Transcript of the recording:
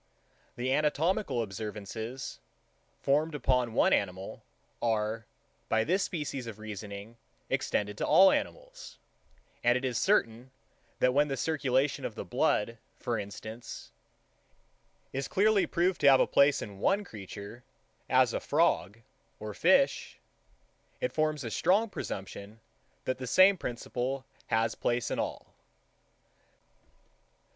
The anatomical observations, formed upon one animal, are, by this species of reasoning, extended to all animals; and it is certain, that when the circulation of the blood, for instance, is clearly proved to have place in one creature, as a frog, or fish, it forms a strong presumption, that the same principle has place in all.